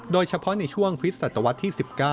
โดยเฉพาะในช่วงคริสตวรรษที่๑๙